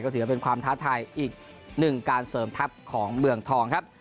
ถือว่าเป็นความท้าทายอีกหนึ่งการเสริมทัพของเมืองทองครับ